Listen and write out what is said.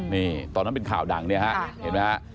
นี่ตอนนั้นเป็นข่าวดังเนี่ยฮะเห็นไหมฮะ